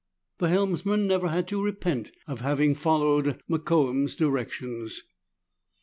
The helmsman never had to repent of having followed Mokoum's directions.